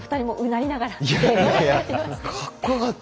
かっこよかった。